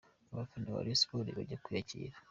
Abafana ba Rayon Sports bajya kwiyakira .